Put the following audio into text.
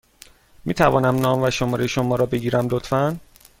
می توانم نام و شماره شما را بگیرم، لطفا؟